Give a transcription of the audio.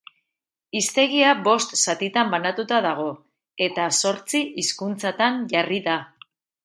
Hiztegia bost zatitan banatuta dago, eta zortzi hizkuntzatan jarri da.